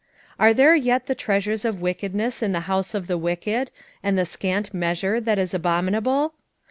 6:10 Are there yet the treasures of wickedness in the house of the wicked, and the scant measure that is abominable?